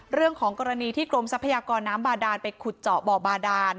เรื่องของกรณีที่กรมทรัพยากรน้ำบาดานไปขุดเจาะบ่อบาดาน